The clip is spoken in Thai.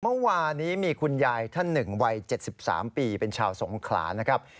เมื่อวานนี้มีคุณยายท่านหนึ่งวัย๗๓ปีเป็นชาวสงขลานะครับ